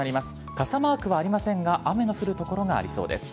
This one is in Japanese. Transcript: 傘マークはありませんが雨の降る所がありそうです。